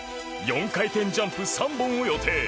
４回転ジャンプ３本を予定。